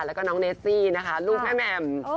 แล้วก็น้องเนสซี่นะคะลูกแม่แหม่ม